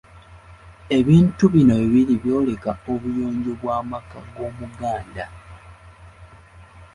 Ebintu bino bibiri byoleka obuyonjo bw’amaka g’omuganda.